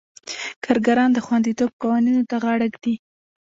کارګران د خوندیتوب قوانینو ته غاړه ږدي.